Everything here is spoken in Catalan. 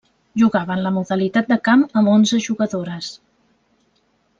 Jugaven la modalitat de camp amb onze jugadores.